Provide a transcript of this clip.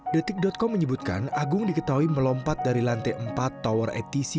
detik com menyebutkan agung diketahui melompat dari lantai empat tower atc